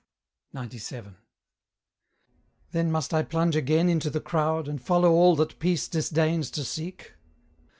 XCVII. Then must I plunge again into the crowd, And follow all that Peace disdains to seek?